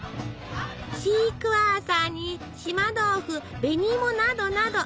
シークワーサーに島豆腐紅芋などなど。